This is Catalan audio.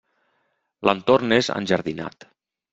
L'entorn és enjardinat.